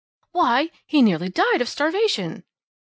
"Why! he nearly died of starvation!"